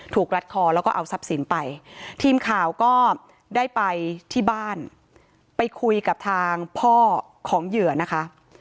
รัดคอแล้วก็เอาทรัพย์สินไปทีมข่าวก็ได้ไปที่บ้านไปคุยกับทางพ่อของเหยื่อนะคะ